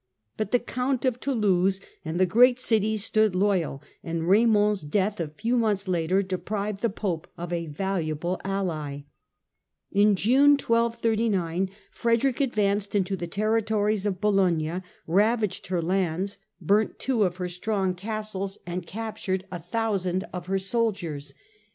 But the Count of Toulouse and the great cities stood loyal, and Raymond's death a few months later deprived the Pope of a valuable ally. In June, 1239, Frederick advanced into the territories of Bologna, ravaged her lands, burnt two of her strong 176 FIRE AND SWORD 177 castles and captured a thousand of her soldiers.